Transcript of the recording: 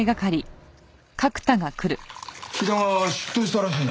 木田が出頭したらしいな。